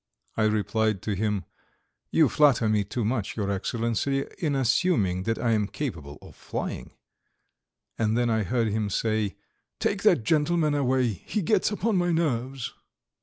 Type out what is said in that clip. I replied to him: "You flatter me too much, your Excellency, in assuming that I am capable of flying." And then I heard him say: "Take that gentleman away; he gets upon my nerves."